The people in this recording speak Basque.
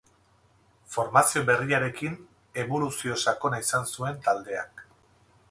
Formazio berriarekin eboluzio sakona izan zuen taldeak.